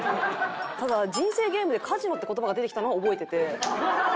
ただ『人生ゲーム』でカジノって言葉が出てきたのは覚えてて。